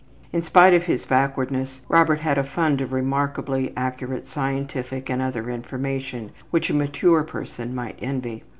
In spite of his backwardness Robert had a fund of remarkably accurate scientific and other information which a mature person might envy.